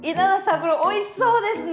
これおいしそうですね。